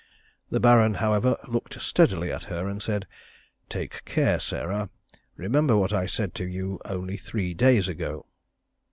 The Baron, however, looked steadily at her and said, "Take care, Sarah! Remember what I said to you only three days ago."